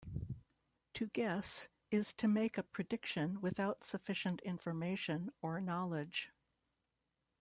To "guess" is to make a prediction without sufficient information or knowledge.